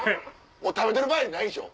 もう食べてる場合やないでしょ。